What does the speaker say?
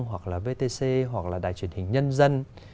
hoặc là vtc hoặc là đài truyền hình nhân dân